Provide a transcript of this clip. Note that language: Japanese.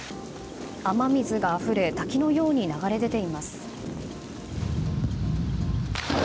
雨水があふれ、滝のように流れ出ています。